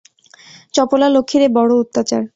চপলা লক্ষ্মীর এ বড়ো অত্যাচার।